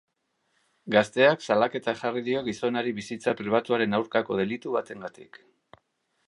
Gazteak salaketa jarri dio gizonari bizitza pribatuaren aurkako delitu batengatik.